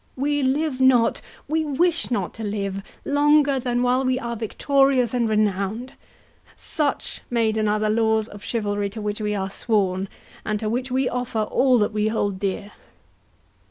We live not—we wish not to live—longer than while we are victorious and renowned—Such, maiden, are the laws of chivalry to which we are sworn, and to which we offer all that we hold dear."